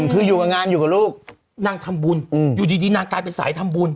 คืออยู่กับงานอยู่กับลูกนางทำบุญอยู่ดีนางกลายเป็นสายทำบุญ